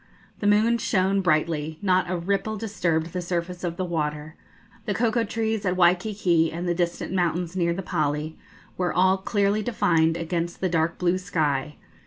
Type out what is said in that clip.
The moon shone brightly; not a ripple disturbed the surface of the water; the cocoa trees at Waikiki, and the distant mountains near the Pali, were all clearly defined against the dark blue sky.